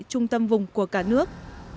trung tâm dân tộc việt nam